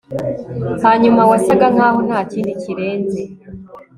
Hanyuma wasaga nkaho ntakindi kirenze